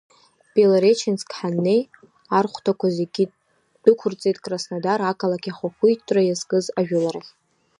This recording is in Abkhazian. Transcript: Белореченск ҳаннеи, архәҭақәа зегьы дәықәырҵеит краснодар ақалақь ахақәиҭтәра иазкыз ажәыларахь.